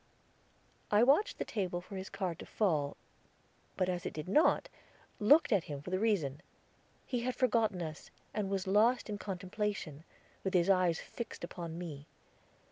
I watched the table for his card to fall, but as it did not, looked at him for the reason. He had forgotten us, and was lost in contemplation, with his eyes fixed upon me.